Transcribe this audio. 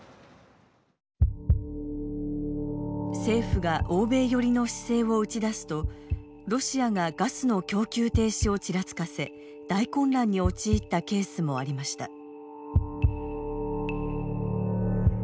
政府が欧米寄りの姿勢を打ち出すとロシアがガスの供給停止をちらつかせ大混乱に陥ったケースもありました。